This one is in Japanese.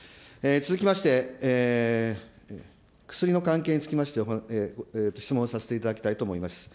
続きまして、薬の関係につきまして、質問させていただきたいと思います。